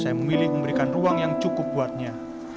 saya memilih memberikan ruang yang cukup buatnya